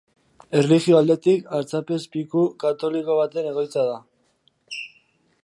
Erlijio aldetik artzapezpiku katoliko baten egoitza da.